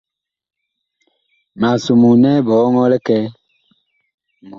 Mag somoo nɛ biɔŋɔɔ likɛɛ.